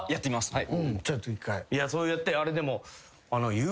はい。